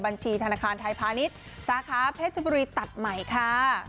บัญชีธนาคารไทยพาณิชย์สาขาเพชรบุรีตัดใหม่ค่ะ